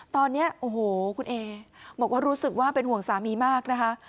ตอนนี้โอ้โหคุณเอบอกว่ารู้สึกว่าเป็นห่วงสามีมากนะคะ